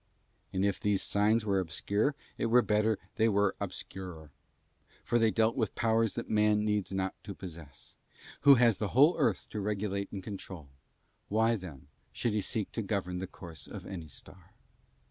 And if these signs were obscure it were better they were obscurer, for they dealt with powers that man needs not to possess, who has the whole earth to regulate and control; why then should he seek to govern the course of any star?